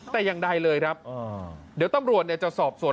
แต่อย่างใดเลยครับเดี๋ยวตำรวจจะสอบสวน